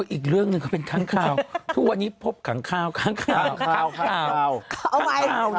อีกเรื่องหนึ่งก็เป็นข้างข่าวทุกวันนี้พบขังข่าวขังข่าวขังข่าว